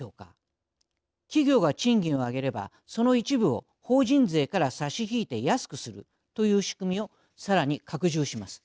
企業が賃金を上げればその一部を法人税から差し引いて安くするという仕組みをさらに拡充します。